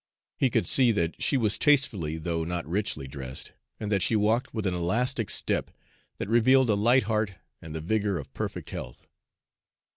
He could see that she was tastefully, though not richly, dressed, and that she walked with an elastic step that revealed a light heart and the vigor of perfect health.